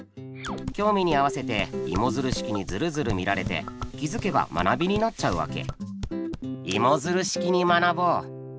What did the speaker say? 興味に合わせてイモヅル式にヅルヅル見られて気づけば学びになっちゃうわけ。